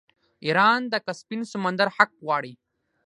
ایران د کسپین سمندر حق غواړي.